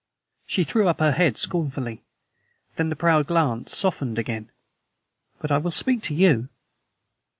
She threw up her head scornfully. Then the proud glance softened again. "But I will speak for you."